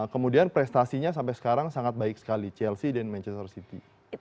kemudian prestasinya sampai sekarang sangat baik sekali chelsea dan manchester city